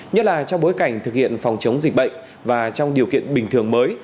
nhất là trong bối cảnh thực hiện phòng chống dịch bệnh và trong điều kiện bình thường mới